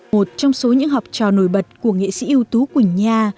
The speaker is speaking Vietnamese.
một trong số những học trò nổi bật của nghệ sĩ ưu tú quỳnh nha